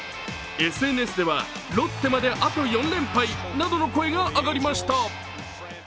ＳＮＳでは「ロッテまであと４連敗」などの声が上がりました。